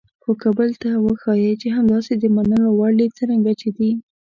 خو که بل ته وښایئ چې هماغسې د منلو وړ دي څرنګه چې دي.